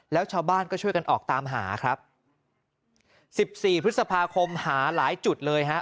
แล้วชาวบ้านก็ช่วยกันออกตามหาครับสิบสี่พฤษภาคมหาหลายจุดเลยฮะ